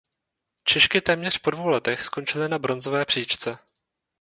Češky téměř po dvou letech skončily na bronzové příčce.